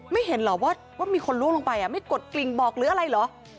ไม่เห็นเหรอว่ามีคนล่วงลงไปไม่กดกลิ่งบอกหรืออะไรเหรอ